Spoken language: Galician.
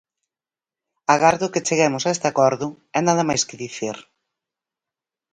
Agardo que cheguemos a este acordo e nada máis que dicir.